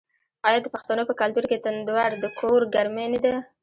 آیا د پښتنو په کلتور کې تندور د کور ګرمي نه ده؟